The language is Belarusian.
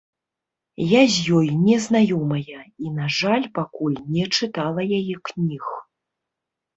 Я з ёй не знаёмая і, на жаль, пакуль не чытала яе кніг.